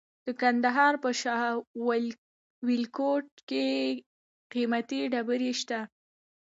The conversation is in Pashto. د کندهار په شاه ولیکوټ کې قیمتي ډبرې شته.